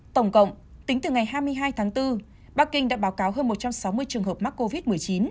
tổng cộng tính từ ngày hai mươi hai tháng bốn bắc kinh đã báo cáo hơn một trăm sáu mươi trường hợp mắc covid một mươi chín